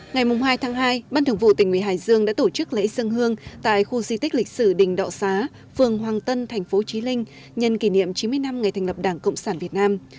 ngày hai tháng hai ban thường vụ tỉnh nguyễn hải dương đã tổ chức lễ dân hương tại khu di tích lịch sử đình đọ xá phường hoàng tân thành phố trí linh nhân kỷ niệm chín mươi năm ngày thành lập đảng cộng sản việt nam